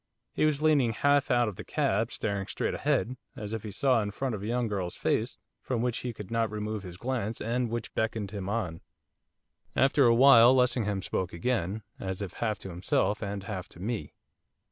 He was leaning half out of the cab, staring straight ahead, as if he saw in front a young girl's face, from which he could not remove his glance, and which beckoned him on. After a while Lessingham spoke again, as if half to himself and half to me.